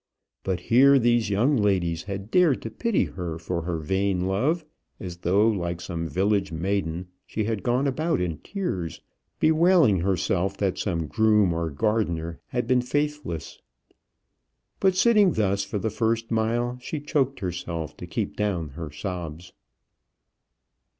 But here these young ladies had dared to pity her for her vain love, as though, like some village maiden, she had gone about in tears bewailing herself that some groom or gardener had been faithless. But sitting thus for the first mile, she choked herself to keep down her sobs.